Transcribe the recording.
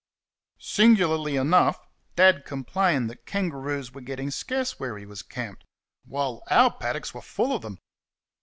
Singularly enough, Dad complained that kangaroos were getting scarce where he was camped; while our paddocks were full of them.